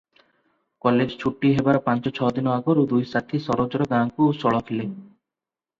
College ଛୁଟି ହେବାର ପାଞ୍ଚଛଅ ଦିନ ଆଗରୁ ଦୁଇ ସାଥୀ ସରୋଜର ଗାଁକୁ ସଳଖିଲେ ।